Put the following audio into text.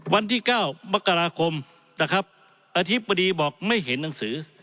วันที่๙มกราคมนะครับอธิบดีบอกไม่เห็นหนังสือ